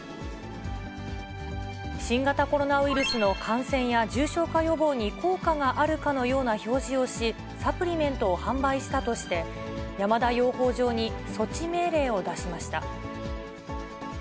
新型コロナウイルスの感染や重症化予防に効果があるかのような表示をし、サプリメントを販売したとして、山田養蜂場に措置命令を出しました。